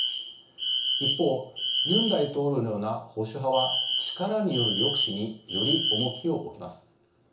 一方ユン大統領のような保守派は力による抑止により重きを置きます。